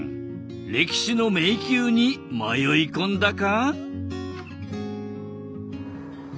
歴史の迷宮に迷い込んだか？